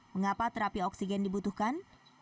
mengapa terapi oksigen dibutuhkan